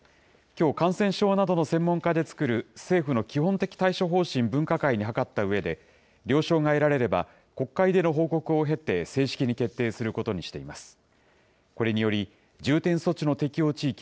きょう、感染症などの専門家で作る政府の基本的対処方針分科会に諮ったうえで、了承が得られれば、国会での報告を経て、正式に決定することにしています。